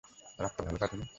রাতটা ভালো কাটেনি?